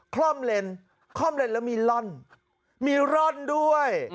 คล่อมเลนคล่อมเลนแล้วมีร่อนมีร่อนด้วย